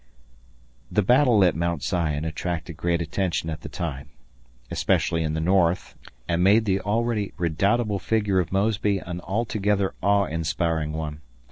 [The battle at Mount Zion attracted great attention at the time especially in the North, and made the already redoubtable figure of Mosby an altogether awe inspiring one.